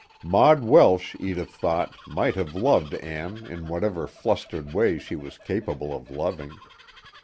Maud Welsh, Edith thought, might have loved Ann in whatever flustered way she was capable of loving.